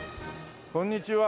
こんにちは。